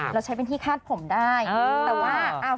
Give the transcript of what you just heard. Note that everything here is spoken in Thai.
เราใช้เป็นที่คาดผมได้แต่ว่า